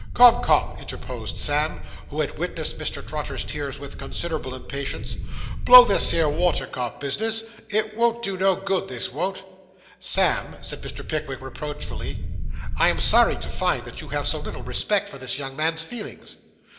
'Come, come,' interposed Sam, who had witnessed Mr. Trotter's tears with considerable impatience, 'blow this 'ere water cart bis'ness. It won't do no good, this won't.' 'Sam,' said Mr. Pickwick reproachfully. 'I am sorry to find that you have so little respect for this young man's feelings.